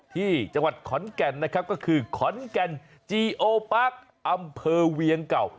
ที่จังหวัดขอนแก่นนะครับก็คือขอนแก่นจีโอปาร์คอำเภอเวียงเก่า